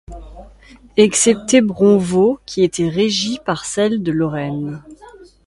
Excepté Bronvaux, qui était régi par celle de Lorraine.